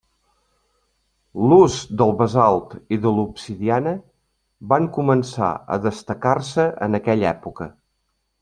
L'ús del basalt i de l'obsidiana van començar a destacar-se en aquella època.